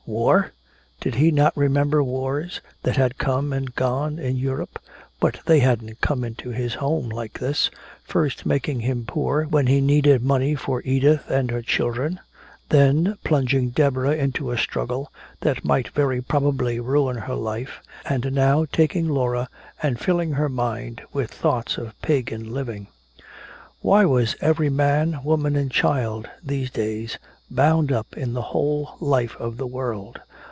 War? Did he not remember wars that had come and gone in Europe? But they hadn't come into his home like this, first making him poor when he needed money for Edith and her children, then plunging Deborah into a struggle which might very probably ruin her life, and now taking Laura and filling her mind with thoughts of pagan living. Why was every man, woman and child, these days, bound up in the whole life of the world?